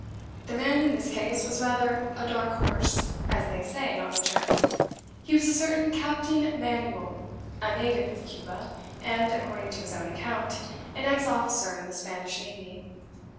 The man in this case was rather a 'dark horse,' as they say on the turf. He was a certain Captain Manuel, a native of Cuba, and (according to his own account) an ex officer in the Spanish navy.